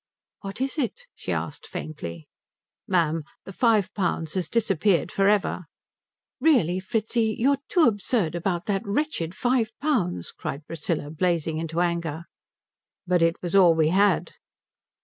"What is it?" she asked faintly. "Ma'am, the five pounds has disappeared for ever." "Really Fritzi, you are too absurd about that wretched five pounds," cried Priscilla, blazing into anger. "But it was all we had."